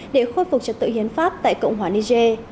để khôi phục trật tự hiến pháp tại cộng hòa niger